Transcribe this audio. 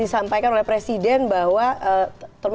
di segmen terakhir